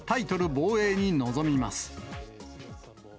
防衛に臨みます。